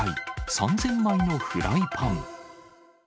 ３０００枚のフライパン。